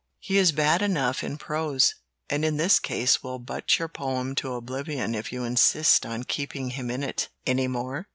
He is bad enough in prose, and in this case will butt your poem to oblivion if you insist on keeping him in it. Any more?"